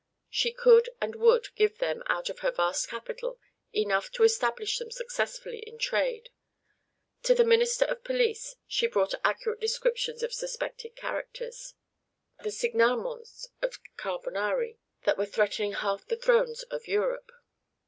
She could and would give them, out of her vast capital, enough to establish them successfully in trade. To the minister of police she brought accurate descriptions of suspected characters, the signalements of Carbonari that were threatening half the thrones of Europe.